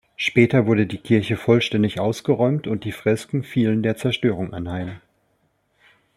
Später wurde die Kirche vollständig ausgeräumt und die Fresken fielen der Zerstörung anheim.